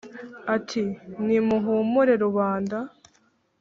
Ati : nimuhumure Rubanda